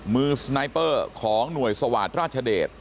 มือสไนเปอร์ของหน่วยสวาสตร์ราชเดช